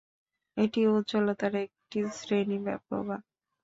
এটি উজ্জ্বলতার একটি শ্রেণী বা প্রভা।